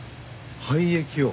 廃液を？